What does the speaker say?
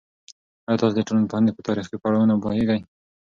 ایا تاسو د ټولنپوهنې په تاریخي پړاوونو پوهیږئ؟